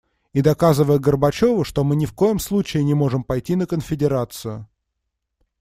И доказывая Горбачёву, что мы ни в коем случае не можем пойти на конфедерацию.